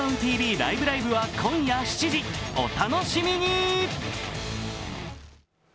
ライブ！」は今夜７時、お楽しみに。